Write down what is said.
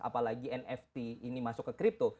apalagi nft ini masuk ke crypto